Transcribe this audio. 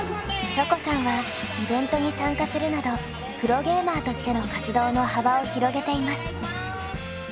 チョコさんはイベントに参加するなどプロゲーマーとしての活動の幅を広げています。